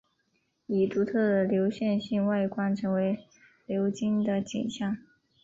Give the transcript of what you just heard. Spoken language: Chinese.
以独特的流线型外观成为流经的景象。